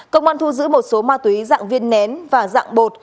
công an thu giữ một số ma túy dạng viên nén và dạng bột